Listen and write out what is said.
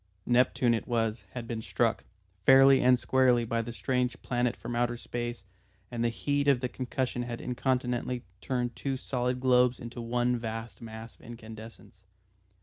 Neptune it was, had been struck, fairly and squarely, by the strange planet from outer space and the heat of the concussion had incontinently turned two solid globes into one vast mass of incandescence.